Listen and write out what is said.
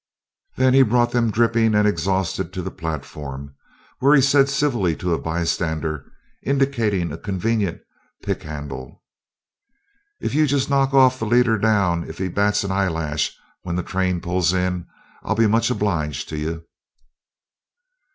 Then he brought them dripping and exhausted to the platform, where he said civilly to a bystander, indicating a convenient pickhandle: "If you'll jest knock the 'off' leader down if he bats an eyelash when the train pulls in, I'll be much obliged to you."